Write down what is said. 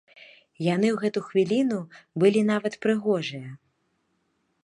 Яны ў гэту хвіліну былі нават прыгожыя.